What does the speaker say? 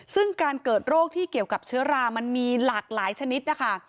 ซึ่งการเกิดโรคที่เกี่ยวกับเชื้อรามันมีหลากหลายชนิดนะคะ